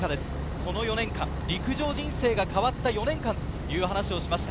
この４年間、陸上人生が変わった４年間という話をしました。